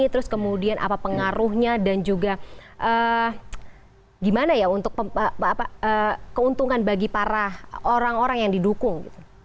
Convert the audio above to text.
terus kemudian apa pengaruhnya dan juga gimana ya untuk keuntungan bagi para orang orang yang didukung